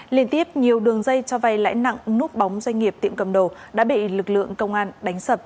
liên tiếp nhiều đường dây cho vay lãi nặng núp bóng doanh nghiệp tiệm cầm đồ đã bị lực lượng công an đánh sập